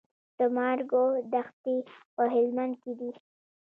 د مارګو دښتې په هلمند کې دي